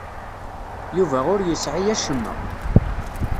Yuba ur yesɛi acemma.